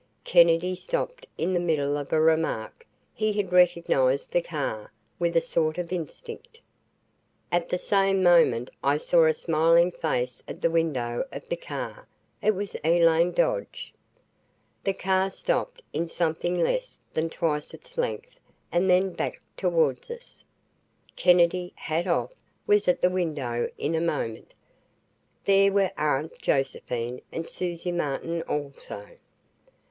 Kennedy stopped in the middle of a remark. He had recognized the car, with a sort of instinct. At the same moment I saw a smiling face at the window of the car. It was Elaine Dodge. The car stopped in something less than twice its length and then backed toward us. Kennedy, hat off, was at the window in a moment. There were Aunt Josephine, and Susie Martin, also.